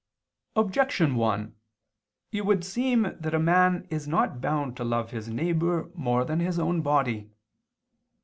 Objection 1: It would seem that a man is not bound to love his neighbor more than his own body.